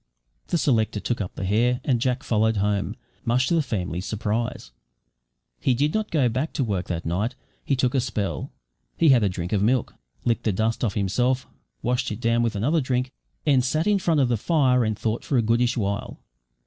The selector took up the hare, and Jack followed home, much to the family's surprise. He did not go back to work that night; he took a spell. He had a drink of milk, licked the dust off himself, washed it down with another drink, and sat in front of the fire and thought for a goodish while.